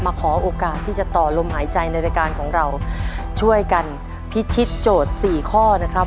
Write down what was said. ขอโอกาสที่จะต่อลมหายใจในรายการของเราช่วยกันพิชิตโจทย์สี่ข้อนะครับ